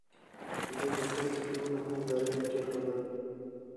په دې مرکز کې فلمونه هم نندارې ته کېښودل.